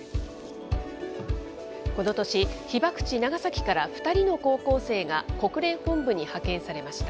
この年、被爆地、長崎から２人の高校生が、国連本部に派遣されました。